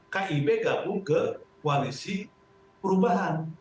kib gabung ke koalisi perubahan